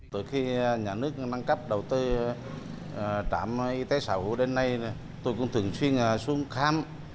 từ khi nhà nước mang cấp đầu tư trạm y tế xã hội đến nay tôi cũng thường chuyên xuống khám